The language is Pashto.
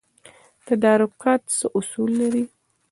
تدارکات څه اصول لري؟